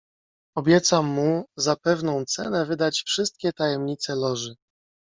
"Obiecam mu za pewną cenę wydać wszystkie tajemnice Loży."